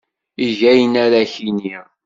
Eg ayen ara ak-yini.